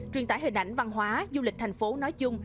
truyền tải hình ảnh văn hóa du lịch thành phố nói chung